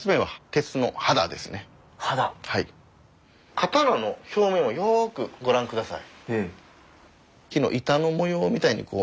刀の表面をよくご覧下さい。